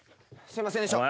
すいませんでした。